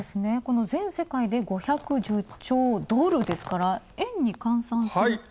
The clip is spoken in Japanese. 全世界で５１０兆ドルですから円に換算すると。